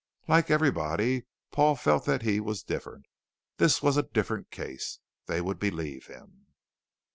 Like everybody, Paul felt that he was different; this was a different case. They would believe him.